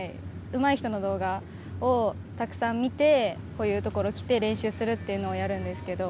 うまい人の動画をたくさん見てこういう所来て練習するっていうのをやるんですけど。